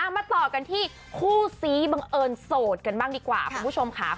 มาต่อกันที่คู่ซี้บังเอิญโสดกันบ้างดีกว่าคุณผู้ชมค่ะ